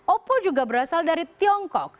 oppo juga berasal dari tiongkok